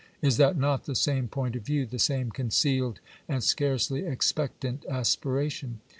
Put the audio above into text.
Is that not the same point of view, the same concealed and scarcely expectant aspiration